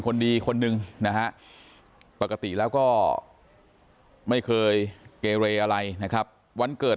คนดีคนนึงนะฮะปกติแล้วก็ไม่เคยเกเรอะไรนะครับวันเกิด